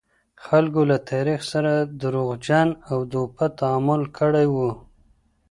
خلګو له تاریخ سره دروغجن او دوپه تعامل کړی و.